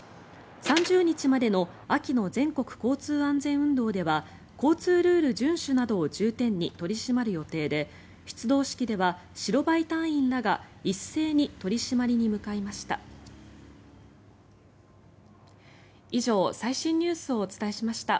３０日までの秋の交通安全運動では交通ルール順守などを重点に取り締まる予定で出動式では白バイ隊員らが一斉に取り締まりに向かいました。